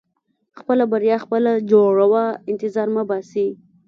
• خپله بریا خپله جوړوه، انتظار مه باسې.